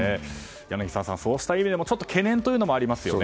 柳澤さん、そうした意味でも懸念というのもありますよね。